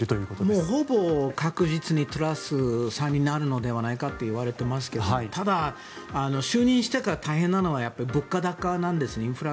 もうほぼ確実にトラスさんになるのではないかといわれていますがただ、就任してから大変なのは物価高なんですよね。